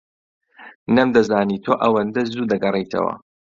نەمدەزانی تۆ ئەوەندە زوو دەگەڕێیتەوە.